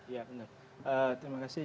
ya benar terima kasih